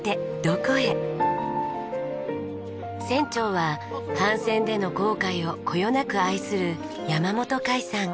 船長は帆船での航海をこよなく愛する山本海さん。